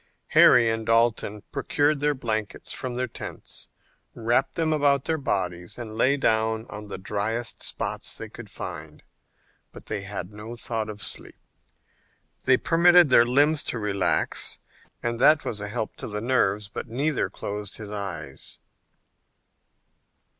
Harry and Dalton procured their blankets from their tents, wrapped them about their bodies and lay down on the dryest spots they could find, but they had no thought of sleep. They permitted their limbs to relax, and that was a help to the nerves, but neither closed his eyes.